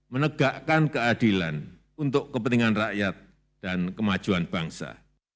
menegakkan keadilan untuk kepentingan rakyat dan kemajuan bangsa